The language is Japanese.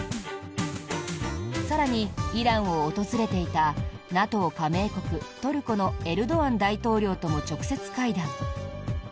更に、イランを訪れていたＮＡＴＯ加盟国、トルコのエルドアン大統領とも直接会談。